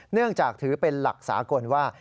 เนื่องจากถือเป็นหลักสากลว่า